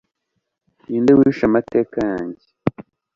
ninde wishe amateka yanjye